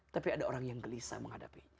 tapi ada orang yang gelisah menghadapinya